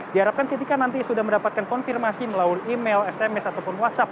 diharapkan ketika nanti sudah mendapatkan konfirmasi melalui email sms ataupun whatsapp